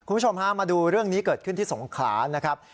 คุณผู้ชมฮะมาดูเรื่องนี้เกิดขึ้นที่สงขลานะครับ